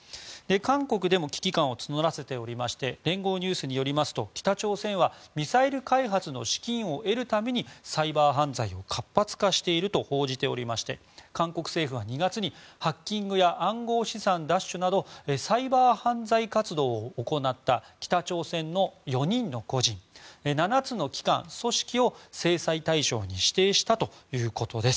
韓国でも危機感を募らせておりまして聯合ニュースによりますと北朝鮮はミサイル開発の資金を得るためにサイバー犯罪を活発化していると報じておりまして韓国政府は２月にハッキングや暗号資産奪取などサイバー犯罪活動を行った北朝鮮の４人の個人７つの機関、組織を制裁対象に指定したということです。